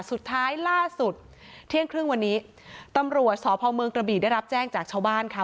สุดท้ายล่าสุดเที่ยงครึ่งวันนี้ตำรวจสพเมืองกระบีได้รับแจ้งจากชาวบ้านค่ะ